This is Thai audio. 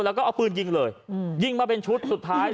แล้วก็เอาปืนยิงเลยยิงมาเป็นชุดสุดท้าย